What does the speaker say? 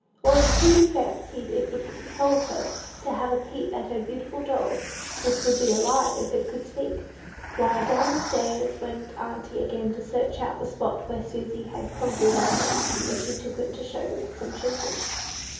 Or, if Prudy fancied it would console her to have a peep at her beautiful doll which "would be alive if it could speak," why, down stairs went auntie again to search out the spot where Susy had probably left it when "she took it to show to some children."